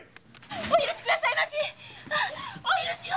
お許しくださいましお許しを。